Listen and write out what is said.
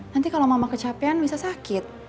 nanti kalau mama kecapean bisa sakit